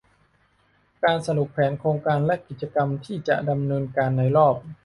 การสรุปแผนโครงการและกิจกรรมที่จะดำเนินการในรอบ